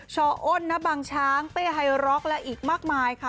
อ้นณบังช้างเต้ไฮร็อกและอีกมากมายค่ะ